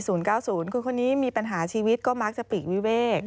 คือคนนี้มีปัญหาชีวิตก็มักจะปีกวิเวก